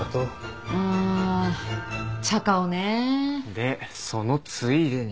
でそのついでに。